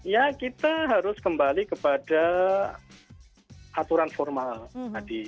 ya kita harus kembali kepada aturan formal tadi